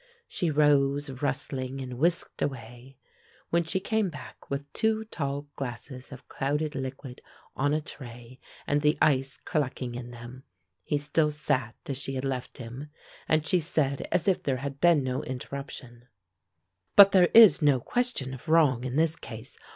She rose rustling, and whisked away; when she came back with two tall glasses of clouded liquid, on a tray, and the ice clucking in them, he still sat as she had left him, and she said as if there had been no interruption: "But there is no question of wrong in this case.